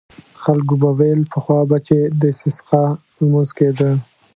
خلکو به ویل پخوا به چې د استسقا لمونځ کېده.